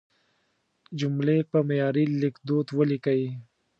جملې په معیاري لیکدود ولیکئ.